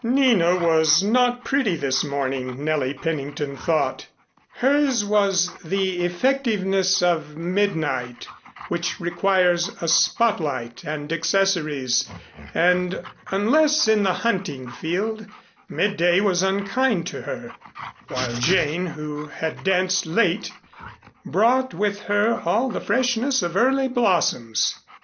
Nina was not pretty this morning, Nellie Pennington thought. Hers was the effectiveness of midnight which requires a spot light and accessories and, unless in the hunting field, midday was unkind to her; while Jane who had danced late brought with her all the freshness of early blossoms.